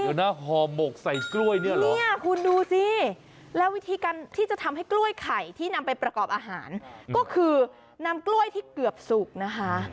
เดี๋ยวนะห่อหมกใส่กล้วยเนี่ยเหรอเนี่ยคุณดูสิแล้ววิธีการที่จะทำให้กล้วยไข่ที่นำไปประกอบอาหารก็คือนำกล้วยที่เกือบสุกนะคะ